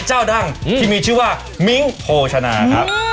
จะาวดังที่มีชื่อว่ามิงโพชานะ